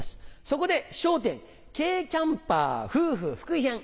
そこで「笑点軽キャンパー夫婦福井編」。